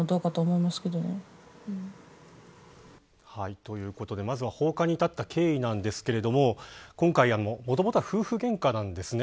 ということで、まずは放火に至った経緯なんですけれども今回もともとは夫婦げんかなんですね。